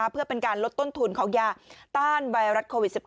เพื่อเป็นการลดต้นทุนของยาต้านไวรัสโควิด๑๙